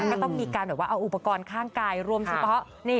เนาะว่าเอาอุปกรณค่างกายรวมแบบชะแป๊ะ